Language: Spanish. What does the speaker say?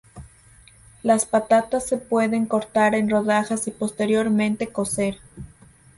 Las patatas se pueden cortar en rodajas y posteriormente cocer.